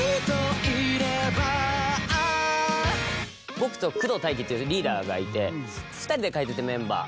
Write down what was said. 僕と工藤大輝っていうリーダーがいて２人で書いててメンバー